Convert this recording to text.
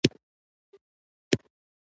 هغه کارونه پخه تجربه غواړي چې ما نلري.